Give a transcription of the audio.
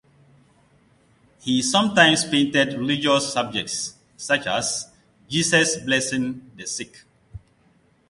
He sometimes painted religious subjects, such as "Jesus Blessing the Sick".